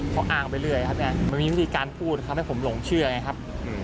เขาอ้างไปเรื่อยครับมันมีวิธีการพูดทำให้ผมหลงเชื่อไงครับ